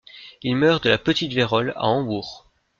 Il meurt de la petite vérole à Hambourg.